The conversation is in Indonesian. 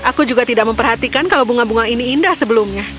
aku juga tidak memperhatikan kalau bunga bunga ini indah sebelumnya